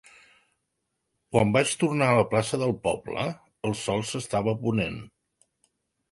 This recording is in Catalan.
Quan vaig tornar a la plaça del poble, el sol s'estava ponent.